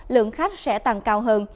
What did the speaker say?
lượng khách sẽ tăng cao hơn